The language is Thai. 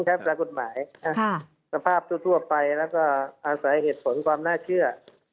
เวลากฎหมายสภาพทั่วไปแล้วก็อาศัยเหตุผลความน่าเชื่อ